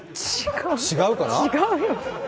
違うかな？